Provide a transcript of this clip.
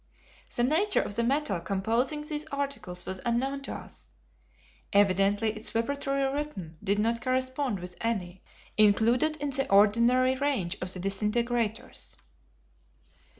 The nature of the metal composing these articles was unknown to us. Evidently its vibratory rhythm did not correspond with any included in the ordinary range of the disintegrators.